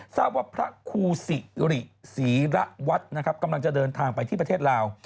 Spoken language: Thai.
ทราบว่าพระครูสิริศรีระวัตรนะครับกำลังจะเดินทางไปที่ประเทศลาว